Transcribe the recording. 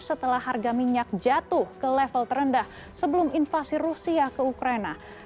setelah harga minyak jatuh ke level terendah sebelum invasi rusia ke ukraina